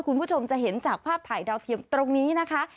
คุณผู้ชมจะเห็นจากภาพถ่ายดาวเทียมตรงนี้นะคะ